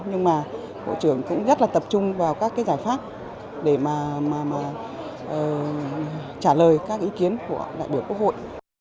nhưng mà bộ trưởng cũng rất là tập trung vào các cái giải pháp để mà trả lời các ý kiến của đại biểu quốc hội